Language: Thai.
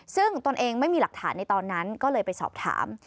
ซึ่งตนเองไม่มีหลักฐานในตอนนั้นก็เลยไปสอบถาม